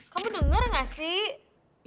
kamu denger gak sih